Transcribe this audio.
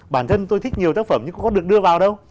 bản thân tôi thích nhiều tác phẩm nhưng không được đưa vào đâu